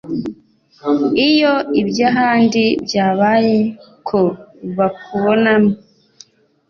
Iyo iby’ahandi byabaye ko bakubonamo